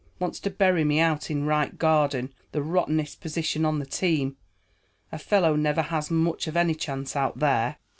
Wants to bury me out in right garden, the rottenest position on the team. A fellow never has much of any chance out there."